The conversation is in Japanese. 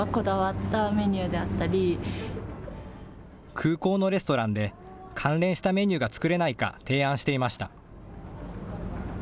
空港のレストランで関連したメニューが作れないか提案していました。